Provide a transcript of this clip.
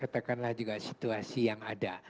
katakanlah juga situasi yang ada